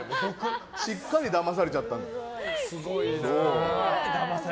しっかりだまされちゃった。